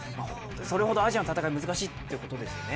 それほどアジアの戦いは難しいということですよね。